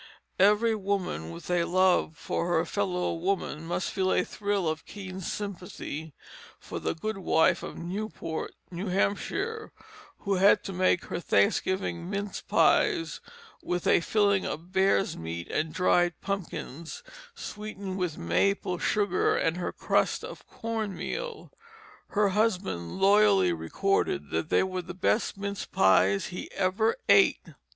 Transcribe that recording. Every woman with a love for her fellow woman must feel a thrill of keen sympathy for the goodwife of Newport, New Hampshire, who had to make her Thanksgiving mince pies with a filling of bear's meat and dried pumpkins, sweetened with maple sugar, and her crust of corn meal. Her husband loyally recorded that they were the best mince pies he ever ate.